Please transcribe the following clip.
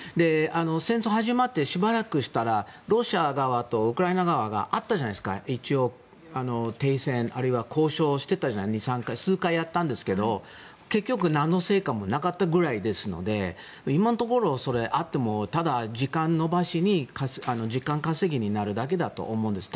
戦争始まってしばらくしたらロシア側とウクライナ側があったじゃないですか一応、停戦あるいは交渉を数回やったんですが結局、なんの成果もなかったぐらいですので今のところ、会ってもただ時間稼ぎになると思うんです。